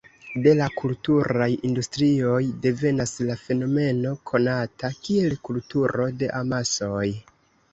De la kulturaj industrioj devenas la fenomeno konata kiel "kulturo de amasoj".